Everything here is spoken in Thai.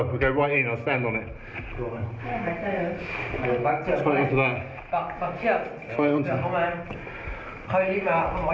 เรากลับมาเรากลับมา